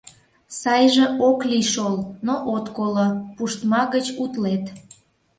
— Сайже ок лий шол, но от коло, пуштма гыч утлет...